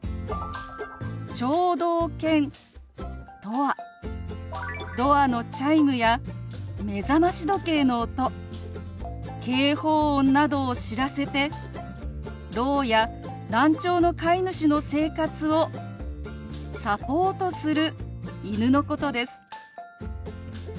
「聴導犬」とはドアのチャイムや目覚まし時計の音警報音などを知らせてろうや難聴の飼い主の生活をサポートする犬のことです。